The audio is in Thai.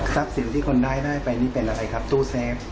สินที่คนร้ายได้ไปนี่เป็นอะไรครับตู้เซฟ